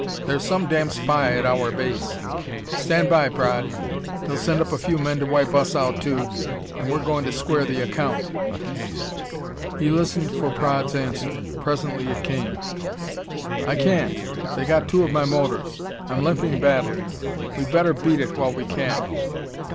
There's some damn spy at our base. Stand by, Praed! They'll send up a few men to wipe us out, too ... and we're goin' to square the account!" He listened for Praed's answer. Presently it came. "I can't! They got two of my motors. I'm limping badly. We'd better beat it while we can."